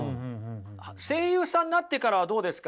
声優さんになってからはどうですか？